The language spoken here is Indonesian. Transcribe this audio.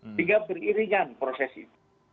sehingga beriringan proses itu